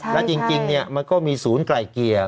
และจริงเนี่ยมันก็มีศูนย์ไก่เกลี่ย